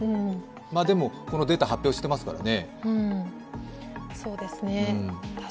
でも、このデータ、発表していますからね。